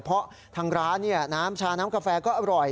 เพราะทางร้านน้ำชาน้ำกาแฟก็อร่อย